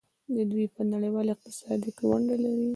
دوی په نړیوال اقتصاد کې ونډه لري.